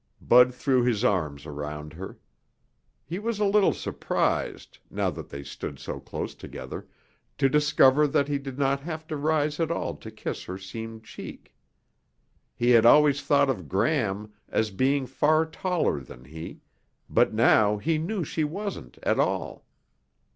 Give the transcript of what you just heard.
Bud threw his arms around her. He was a little surprised, now that they stood so close together, to discover that he did not have to rise at all to kiss her seamed cheek. He had always thought of Gram as being far taller than he, but now he knew she wasn't at all.